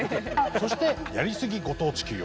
そしてやりすぎご当地企業。